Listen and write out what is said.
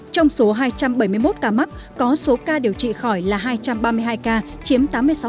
trong số hai trăm bảy mươi một ca mắc có số ca điều trị khỏi là hai trăm ba mươi hai ca chiếm tám mươi sáu